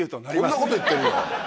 こんなこと言ってんのよ。